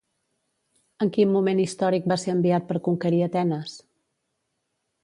En quin moment històric va ser enviat per conquerir Atenes?